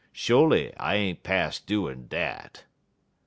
Sho'ly I ain't pas' doin' dat."